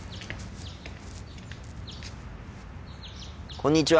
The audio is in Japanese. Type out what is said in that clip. こんにちは。